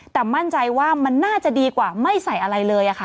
แต่มั่นใจว่ามันน่าจะดีกว่าไม่ใส่อะไรเลยค่ะ